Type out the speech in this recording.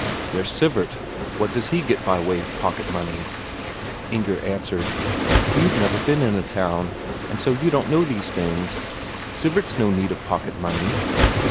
"There's Sivert what does he get by way of pocket money?" Inger answered: "You've never been in a town, and so you don't know these things. Sivert's no need of pocket money.